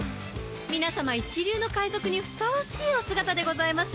皆さま一流の海賊にふさわしいお姿でございます！